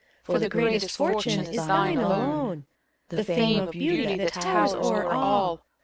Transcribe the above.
For the greatest fortune is thine alone. The fame of beauty that towers o'er all.